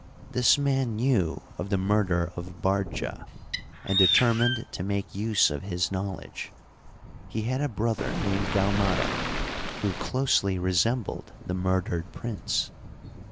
This man knew of the murder of Bardja. and determined to make use of his knowledge. He had a brother named Gaumata, who closely resembled the murdered prince.